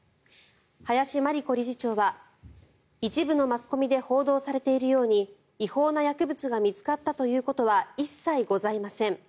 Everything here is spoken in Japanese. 林真理子理事長は一部のマスコミで報道されているように違法な薬物が見つかったということは一切ございません